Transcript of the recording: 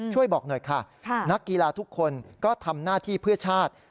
แต่หน้ากีลาทุกคนก็ทำหน้าที่เผื่อชาติ